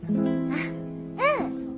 あっうん！